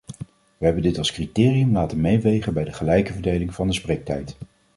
We hebben dit als criterium laten meewegen bij de gelijke verdeling van de spreektijd.